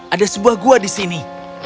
ada sebuah gua di sini